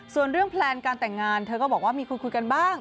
ส่วนเรื่องแพลนการแต่งงานเธอก็บอกว่ามีคุยกันบ้าง